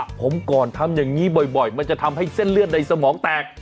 ผมก่อนทำอย่างนี้บ่อยมันจะทำให้เส้นเลือดในสมองแตก